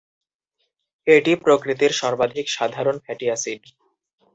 এটি প্রকৃতির সর্বাধিক সাধারণ ফ্যাটি এসিড।